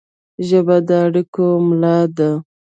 ژبه د اړیکو ملا ده